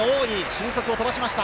俊足を飛ばしました。